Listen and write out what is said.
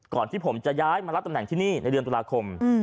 ก่อนที่ผมจะย้ายมารับตำแหน่งที่นี่ในเดือนตุลาคม